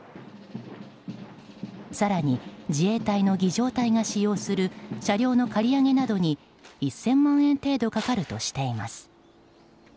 更に自衛隊の儀仗隊が使用する車両の借り上げなどに１０００万円程度かかるとしています。